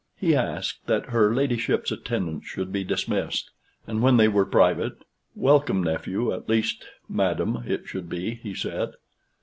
He asked that her ladyship's attendants should be dismissed, and when they were private "Welcome, nephew, at least, madam, it should be," he said.